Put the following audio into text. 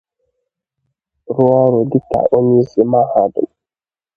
rụọ ọrụ dịka onyeisi mahadum